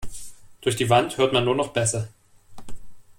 Durch die Wand hört man nur noch Bässe.